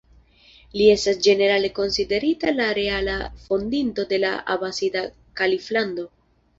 Li estas ĝenerale konsiderita la reala fondinto de la Abasida Kaliflando.